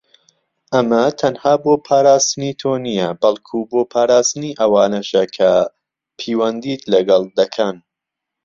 ئەمە تەنها بۆ پاراستنی تۆ نیە، بەڵکو بۆ پاراستنی ئەوانەشە کە پیوەندیت لەگەڵ دەکەن.